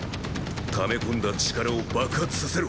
溜め込んだ力を爆発させろ！